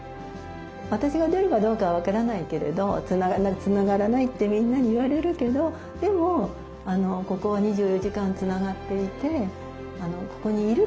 私が出るかどうかは分からないけれどつながらないつながらないってみんなに言われるけどでもここは２４時間つながっていてここにいるからって。